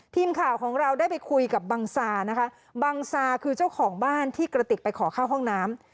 ทีมข่าวของเราได้ไปคุยกับบังซานะคะบังซาคือเจ้าของบ้านที่กระติกไปขอเข้าห้องน้ำ